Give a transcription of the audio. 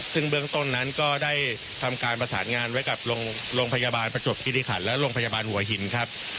ซึ่งเบื้องต้นนั้นก็ได้ทำการประสานงานไว้กับโรงพยาบาลประจวบคิริขันและโรงพยาบาลหัวหินครับ